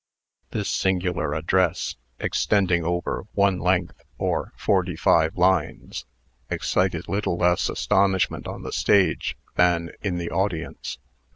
This singular address, extending over "one length," or forty five lines, excited little less astonishment on the stage than in the audience.